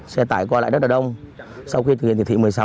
xe tải qua lại rất là đông sau khi thực hiện chỉ thị một mươi sáu